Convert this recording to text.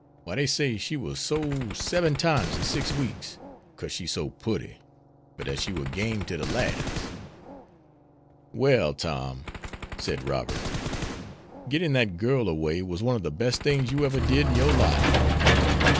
Why, dey say she war sole seben times in six weeks, 'cause she's so putty, but dat she war game to de las'." "Well, Tom," said Robert, "getting that girl away was one of the best things you ever did in your life."